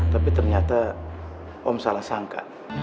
tapi ternyata om salah sangka